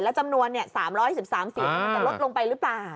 และจำนวนนี้๓๒๓เสียงจะลดลงไปหรือเปล่า